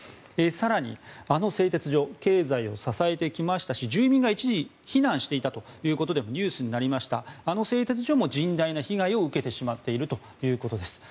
更にあの製鉄所経済を支えてきましたし住民が一時避難していたことでもニュースになりましたがあの製鉄所も甚大な被害を受けてしまっているということです。